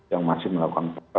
yang masih melakukan